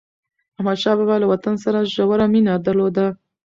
احمدشاه بابا له وطن سره ژوره مینه درلوده.